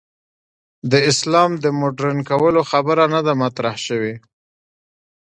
د اسلام د مډرن کولو خبره نه ده مطرح شوې.